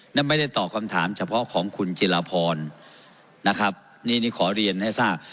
นั่นไม่ได้ตอบคำถามเฉพาะของคุณจิลพรนะครับนี่นี่ขอเรียนให้ทราบ